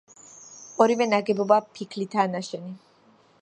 ორივე ნაგებობა ფიქლითაა ნაშენი.